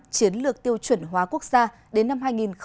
chiến lược tiêu chuẩn hóa quốc gia đến năm hai nghìn ba mươi